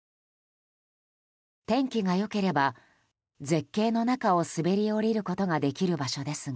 天気が良ければ絶景の中を滑り降りることができる場所ですが